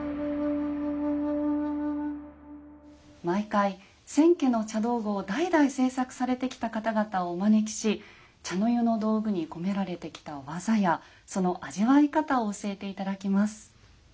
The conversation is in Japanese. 毎回千家の茶道具を代々制作されてきた方々をお招きし茶の湯の道具に込められてきた技やその味わい方を教えて頂きます。